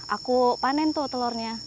aku panen tuh telurnya